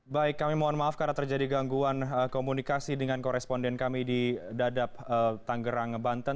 baik kami mohon maaf karena terjadi gangguan komunikasi dengan koresponden kami di dadap tanggerang banten